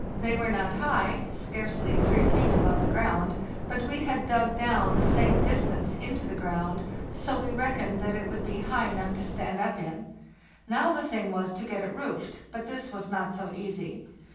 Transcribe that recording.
They were not high, scarcely 3 feet above the ground; but we had dug down the same distance into the ground, so we reckoned that it would be high enough to stand up in. Now the thing was to get it roofed, but this was not so easy.